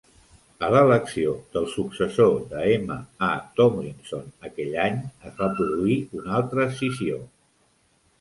A l'elecció del successor de M. A. Tomlinson aquell any, es va produir un altre escissió.